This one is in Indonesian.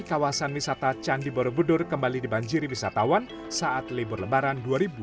kawasan wisata candi borobudur kembali dibanjiri wisatawan saat libur lebaran dua ribu dua puluh